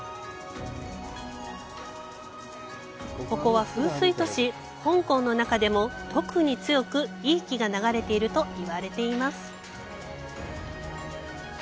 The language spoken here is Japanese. ここは、風水都市、香港の中でも特に強くいい「気」が流れているといわれています。